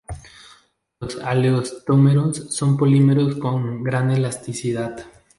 Los elastómeros son polímeros con gran elasticidad.